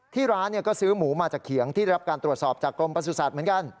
ที่ร้านก็ซื้อหมูมาจากเขียงที่ได้รับการตรวจสอบจากกรมประสุทธิ์เหมือนกัน